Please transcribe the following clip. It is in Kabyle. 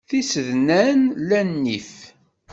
Tisednan la nnif.